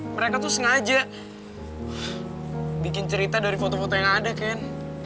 mereka tuh sengaja bikin cerita dari foto foto yang ada kan